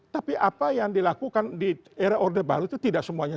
tapi apa yang dilakukan di era order baru itu tidak semuanya